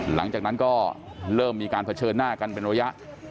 หลังจากนั้นก็เริ่มมีการเผชิญหน้ากันเป็นระยะ